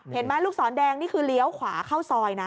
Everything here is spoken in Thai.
เห็นไหมลูกศรแดงนี่คือเลี้ยวขวาเข้าซอยนะ